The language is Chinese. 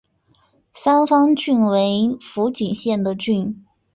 三方郡为福井县的郡。